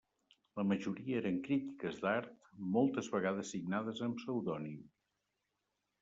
La majoria eren crítiques d'art, moltes vegades signades amb pseudònim.